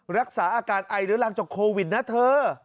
รักษาอากาศไอหรือหลังจากโควิดนะเธอ